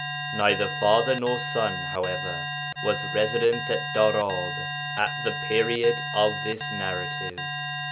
Neither father nor son, however, was resident at Darab at the period of this narrative.